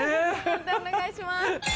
判定お願いします。